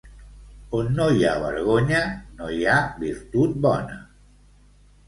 On no hi ha vergonya, no hi ha virtut bona.